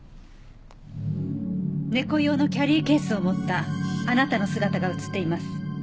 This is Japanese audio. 猫用のキャリーケースを持ったあなたの姿が映っています。